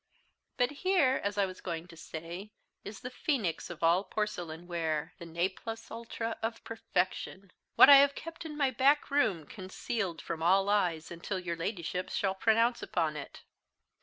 But here, as I was going to say, is the phoenix of all porcelain ware the ne plus ultra of perfection what I have kept in my backroom, concealed from all eyes, until your Ladyship shall pronounce upon it.